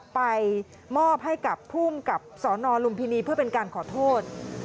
ไปมอบให้กับภูมิกับสนลุมพินีเพื่อเป็นการขอโทษ